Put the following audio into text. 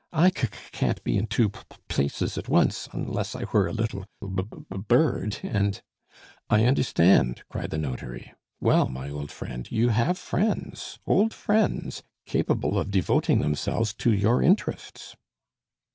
I c c can't be in two p p places at once, unless I were a little b b bird, and " "I understand," cried the notary. "Well, my old friend, you have friends, old friends, capable of devoting themselves to your interests."